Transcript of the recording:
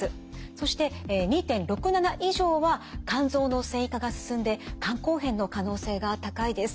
そして２．６７以上は肝臓の線維化が進んで肝硬変の可能性が高いです。